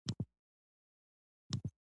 کله چي راځې نو زما ساعت هم درسره راوړه.